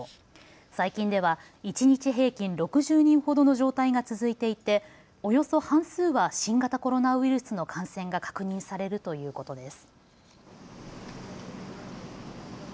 最近では一日平均６０人ほどの状態が続いていておよそ半数は新型コロナウイルスの感染が確認されるということです。